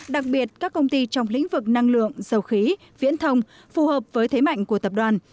đặc biệt các công ty trong lĩnh vực năng lượng dầu khí viễn thông phù hợp với thế mạnh của tập đoàn